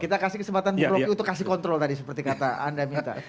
kita kasih kesempatan bung roky untuk kasih kontrol tadi seperti kata anda minta